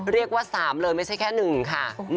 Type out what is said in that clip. เรียกว่า๓เลยไม่ใช่แค่๑ค่ะ